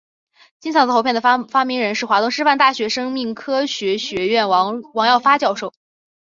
金嗓子喉片的发明人是华东师范大学生命科学学院王耀发教授。